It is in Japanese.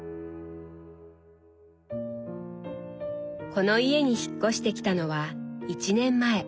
この家に引っ越してきたのは１年前。